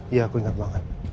iya aku inget banget